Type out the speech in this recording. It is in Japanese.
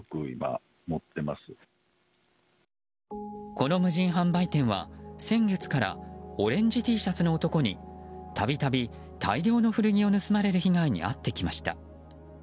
この無人販売店は先月からオレンジＴシャツの男に度々、大量の古着を盗まれる被害に遭ってきました。